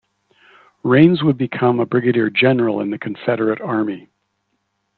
Rains would become a brigadier general in the Confederate Army.